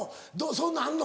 そんなんあんの？